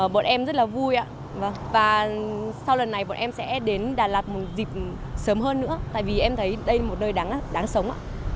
bọn em rất là vui ạ và sau lần này bọn em sẽ đến đà lạt một dịp sớm hơn nữa tại vì em thấy đây là một nơi đáng sống ạ